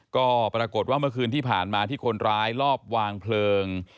ก็ปรากฏว่าเมื่อคืนที่ผ่านมาที่คนร้ายรอบวางเพลิง